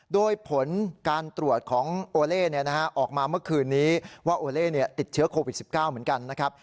โดยผลการตรวจของโอเล่ออกมาเมื่อคืนนี้ว่าโอเล่ติดเชื้อโควิด๑๙เหมือนกันนะครับ